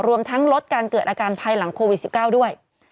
รวมทั้งลดการเกิดอาการภายหลังโควิด๑๙ด้วย